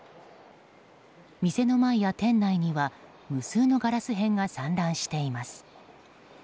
店の前や店内には無数のガラス片が散乱しています。